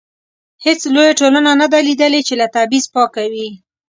هیڅ لویه ټولنه نه ده لیدلې چې له تبعیض پاکه وي.